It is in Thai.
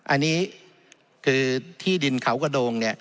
อันนี้คือที่ดินเขากระโดง